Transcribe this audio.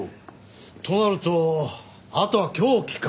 となるとあとは凶器か。